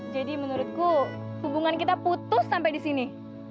jadi menurutku hubungan kita putus sampai di sini